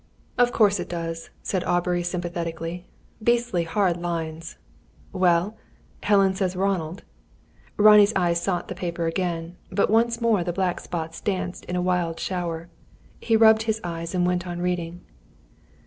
"Of course it does," said Aubrey sympathetically. "Beastly hard lines. Well? Helen says 'Ronald' ?" Ronnie's eyes sought the paper again; but once more the black spots danced in a wild shower. He rubbed his eyes and went on reading.